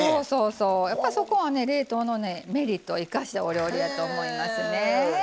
そこはね、冷凍のメリットを生かしたお料理やと思いますね。